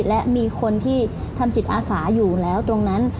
และมีคนที่ทำจิตอาสาอยู่แล้วตรงนั้น